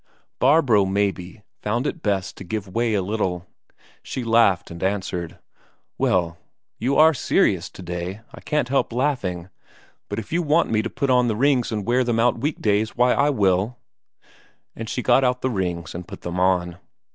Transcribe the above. Barbro, maybe, found it best to give way a little; she laughed, and answered: "Well, you are serious today I can't help laughing! But if you want me to put on the rings and wear them out weekdays, why, I will!" And she got out the rings and put them on.